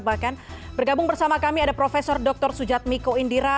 bahkan bergabung bersama kami ada prof dr sujatmiko indira